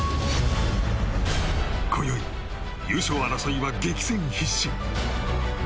今宵、優勝争いは激戦必至。